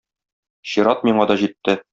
Чират миңа да җитте.